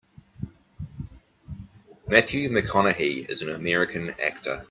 Matthew McConaughey is an American actor.